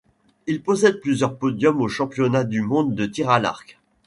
Il possède plusieurs podiums aux championnats du monde de tir à l'arc.